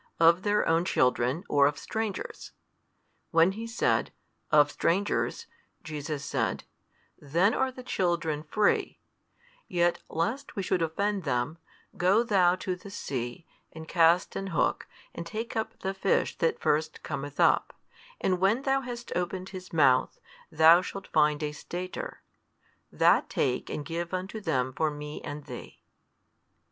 of their own. children or of strangers? When he said, Of strangers, Jesus said, Then are the children free; yet lest we should offend them, go thou to the sea, and cast an hook, and take up the fish that first cometh up; and when thou hast opened his mouth, thou shalt find a stater: that take and give unto them for Me and thee.